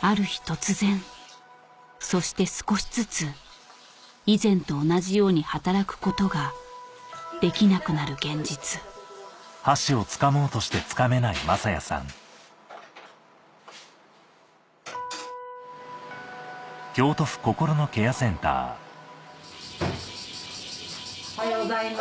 ある日突然そして少しずつ以前と同じように働くことができなくなる現実おはようございます。